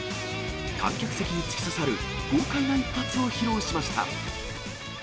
観客席に突き刺さる豪快な一発を披露しました。